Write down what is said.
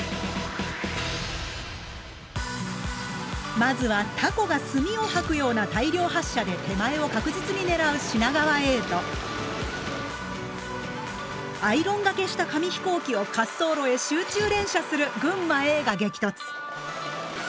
まずはタコが墨を吐くような大量発射で手前を確実に狙う品川Ａとアイロンがけした紙飛行機を滑走路へ集中連射する群馬Ａが激突。